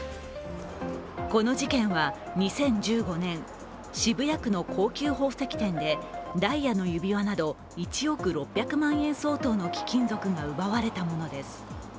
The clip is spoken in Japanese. この事件は２０１５年、渋谷区の高級宝石店でダイヤの指輪など１億６００万円相当の貴金属が奪われたものです。